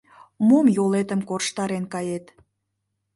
— Мом йолетым корштарен кает?